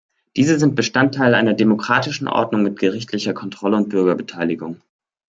Diese sind Bestandteil einer demokratischen Ordnung mit gerichtlicher Kontrolle und Bürgerbeteiligung.